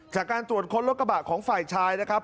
จากการตรวจค้นรถกระบะของฝ่ายชายนะครับ